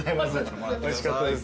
おいしかったです